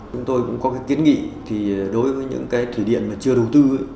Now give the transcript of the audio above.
chúng tôi cũng có cái kiến nghị thì đối với những cái thủy điện mà chưa đầu tư